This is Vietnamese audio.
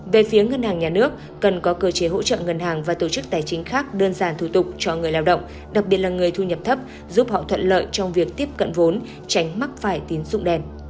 về phía ngân hàng nhà nước cần có cơ chế hỗ trợ ngân hàng và tổ chức tài chính khác đơn giản thủ tục cho người lao động đặc biệt là người thu nhập thấp giúp họ thuận lợi trong việc tiếp cận vốn tránh mắc phải tín dụng đen